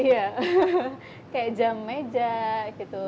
iya kayak jam meja gitu